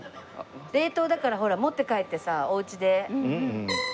冷凍だからほら持って帰ってさおうちで。